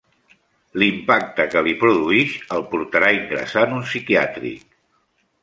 L'impacte que li produïx el portarà a ingressar en un psiquiàtric.